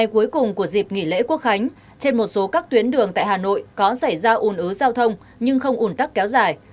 cùng của dịp nghỉ lễ quốc khánh trên một số các tuyến đường tại hà nội có xảy ra ồn ứ giao thông nhưng không ồn tắc kéo dài